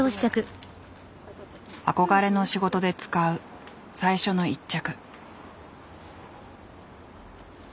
憧れの仕事で使う最初の一着。